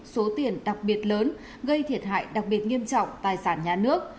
số tiền đặc biệt lớn gây thiệt hại đặc biệt nghiêm trọng tài sản nhà nước